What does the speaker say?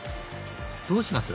どうします？